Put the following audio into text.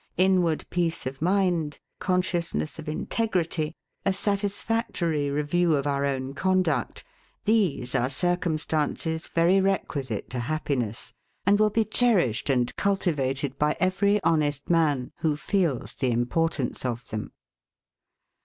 Inward peace of mind, consciousness of integrity, a satisfactory review of our own conduct; these are circumstances, very requisite to happiness, and will be cherished and cultivated by every honest man, who feels the importance of them.